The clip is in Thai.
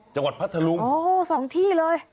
จังหวัดพัทธรุงโอ้สองที่เลย